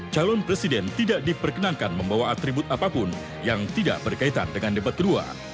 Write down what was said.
calon presiden tidak diperkenankan membawa atribut apapun yang tidak berkaitan dengan debat kedua